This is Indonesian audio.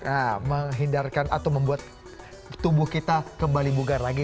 nah menghindarkan atau membuat tubuh kita kembali bugar lagi